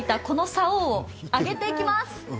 このさおを上げておきます。